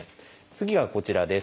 次はこちらです。